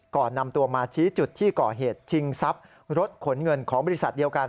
ก่อนนำตัวมาชี้จุดที่ก่อเหตุชิงทรัพย์รถขนเงินของบริษัทเดียวกัน